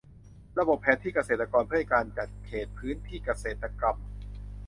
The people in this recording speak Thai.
ระบบแผนที่เกษตรเพื่อการจัดเขตพื้นที่เกษตรกรรม